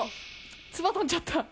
つば飛んじゃった。